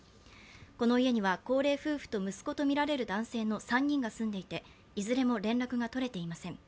この家には高齢の夫婦と息子とみられる３人が住んでいていずれも連絡が取れていません。